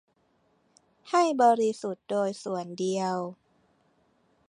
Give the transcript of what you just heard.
ให้บริสุทธิ์โดยส่วนเดียว